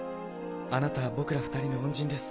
あなたは僕ら２人の恩人です。